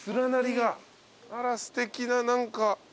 あらすてきな何か。